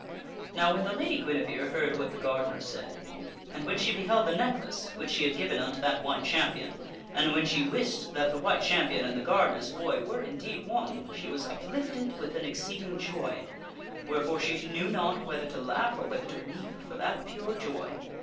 Now when the Lady Guinevere heard what the gardener said, and when she beheld the necklace which she had given unto that White Champion, and when she wist that the White Champion and the gardener's boy were indeed one, she was uplifted with an exceeding joy ; wherefore she knew not whether to laugh or whether to weep for that pure joy.